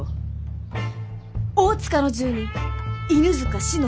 大塚の住人犬塚信乃